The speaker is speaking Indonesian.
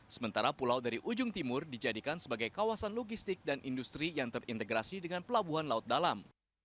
sementara pulau dari ujung timur dijadikan sebagai kawasan logistik dan industri yang terintegrasi dengan pelabuhan laut dalam